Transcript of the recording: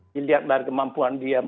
dilihat dari kemampuan dia